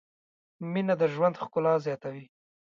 مینه د ژوند ښکلا زیاته کوي.